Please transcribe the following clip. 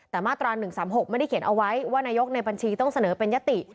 แต่มาตรา๑๓๖ไม่ได้เขียนเอาไว้ว่านายกในบัญชีต้องเสนอเป็นยติ